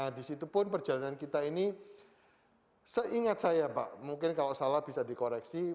nah disitu pun perjalanan kita ini seingat saya pak mungkin kalau salah bisa dikoreksi